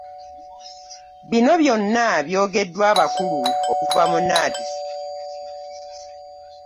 Bino byonna byogeddwa abakulu okuva mu NAADS